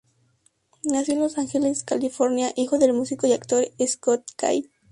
Nació en Los Ángeles, California, hijo del músico y actor Scott Kay.